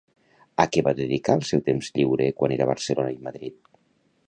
A què va dedicar el seu temps lliure quan era a Barcelona i Madrid?